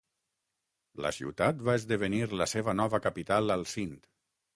La ciutat va esdevenir la seva nova capital al Sind.